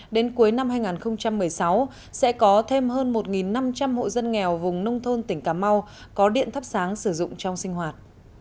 đến cuối năm hai nghìn một mươi sáu sẽ có thêm hơn một năm trăm linh hộ dân nghèo vùng nông thôn tỉnh cà mau có điện thắp sáng sử dụng trong sinh hoạt